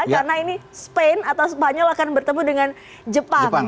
karena ini spanyol akan bertemu dengan jepang